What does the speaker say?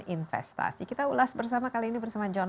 itu timbul pertanyaan kan